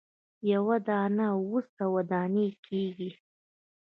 یوه دانه اووه سوه دانې کیږي.